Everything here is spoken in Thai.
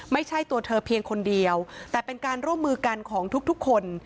ไม่ใช่ตัวเธอเพียงคนเดียวแต่เป็นการร่วมมือกันของทุกคน